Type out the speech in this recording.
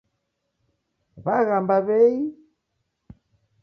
W'aghamba w'ei?